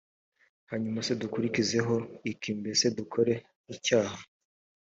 hanyuma se dukurikizeho iki mbese dukore icyaha